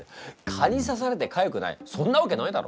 蚊に刺されてかゆくないそんなわけないだろ！